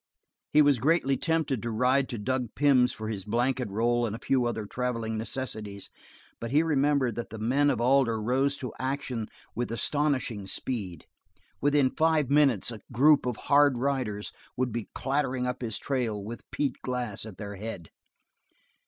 He was greatly tempted to ride to Dug Pym's for his blanket roll and a few other traveling necessities, but he remembered that the men of Alder rose to action with astonishing speed; within five minutes a group of hard riders would be clattering up his trail with Pete Glass at their head.